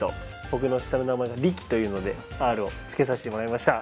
僕の下の名前が「立樹」というので「Ｒ」を付けさせてもらいました。